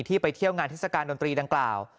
ไปเที่ยวงานเทศกาลดนตรีดังกล่าว